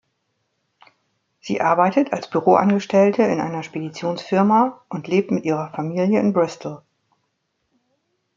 Sie arbeitet als Büroangestellte in einer Speditionsfirma und lebt mit ihrer Familie in Bristol.